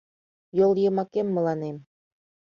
Йол йымакем мыланем